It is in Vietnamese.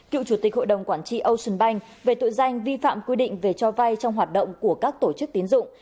cựu chủ tịch hội đồng quản trị ocean bank về tội danh vi phạm quy định về cho vay trong hoạt động của các tổ chức tín dụng